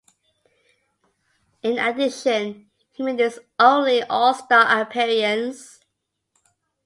In addition, he made his only All-Star appearance.